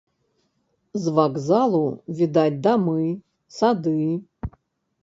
З вакзалу відаць дамы, сады.